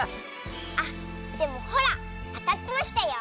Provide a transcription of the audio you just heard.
あっでもほらあたってましたよ。